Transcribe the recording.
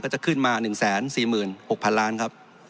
จะขึ้นมา๑๔๖๐๐๐ล้านครับ